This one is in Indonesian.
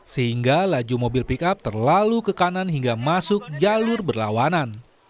sehingga laju mobil pick up terlalu ke kanan hingga masuk jalur berlawanan